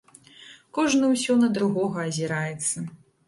Кожны ўсё на другога азіраецца.